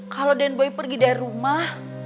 kalau dan boy pergi dari rumah